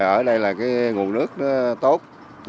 ở đây là cái nguồn nước nó tốt